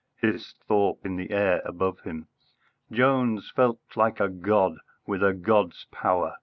hissed Thorpe in the air above him. Jones felt like a god, with a god's power.